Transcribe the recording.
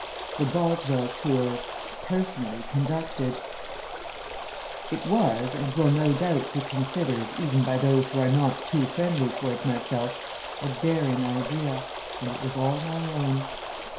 THE BOSWELL TOURS: PERSONALLY CONDUCTED It was and will no doubt be considered, even by those who are not too friendly towards myself, a daring idea, and it was all my own.